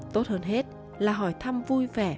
tốt hơn hết là hỏi thăm vui vẻ